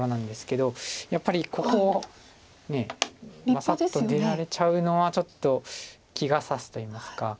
バサッと出られちゃうのはちょっと気がさすといいますか。